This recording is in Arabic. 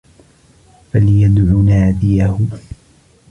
فَلْيَدْعُ نَادِيَهُ